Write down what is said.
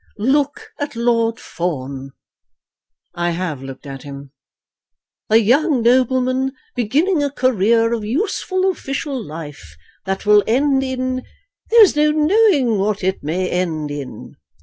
"Look at Lord Fawn." "I have looked at him." "A young nobleman beginning a career of useful official life, that will end in ; there is no knowing what it may end in."